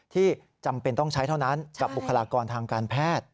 ที่จำเป็นต้องใช้เท่านั้นกับบุคลากรทางการแพทย์